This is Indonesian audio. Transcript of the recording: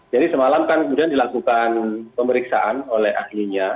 jadi semalam kan kemudian dilakukan pemeriksaan oleh ahlinya